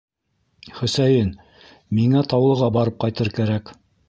Хөсәйен, миңә Таулыға барып ҡайтыр кәрәк.